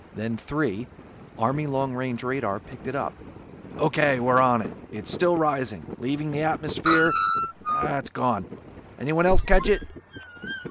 Then Three, Army long range radar, picked it up. "O.K., we're on. It's still rising ... leaving the atmosphere ... gone. Anyone else catch it?"